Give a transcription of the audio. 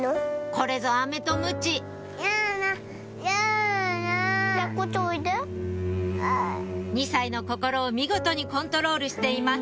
これぞアメとムチ２歳の心を見事にコントロールしています